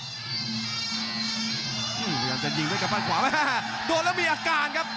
พยายามจะยิงด้วยกับฟันขวาแม่โดนแล้วมีอาการครับ